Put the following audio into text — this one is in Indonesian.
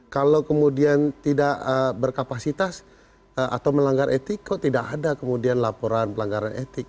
kalau kemudian tidak berkapasitas atau melanggar etik kok tidak ada kemudian laporan pelanggaran etik